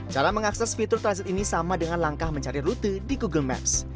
cara mengakses fitur transit ini sama dengan langkah mencari rute di google maps